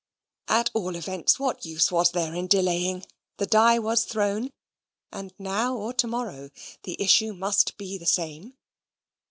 At all events, what use was there in delaying? the die was thrown, and now or to morrow the issue must be the same.